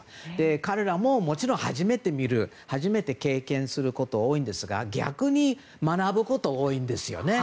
彼らも、もちろん初めて見る初めて経験することが多いんですが逆に学ぶことも多いんですよね。